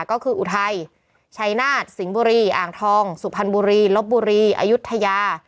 ก็คืออุทัยชัยนาฏสิงห์บุรีอ่างทองสุพรรณบุรีลบบุรีอายุทยา